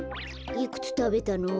いくつたべたの？